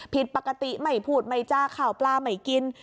ผิดปกติไม่พูดไม่จ้าข่าวปลาไม่กิน